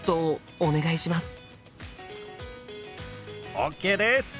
ＯＫです！